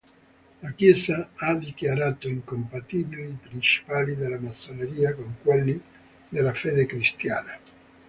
La Chiesa ha dichiarato incompatibili i principi della massoneria con quelli della fede cristiana.